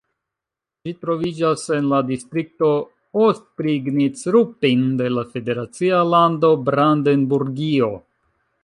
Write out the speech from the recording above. Ĝi troviĝas en la distrikto Ostprignitz-Ruppin de la federacia lando Brandenburgio.